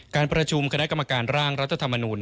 การประชุมคณะกรรมการร่างรัฐธรรมนุน